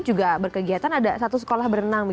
juga berkegiatan ada satu sekolah berenang